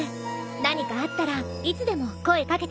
何かあったらいつでも声かけてくださいね。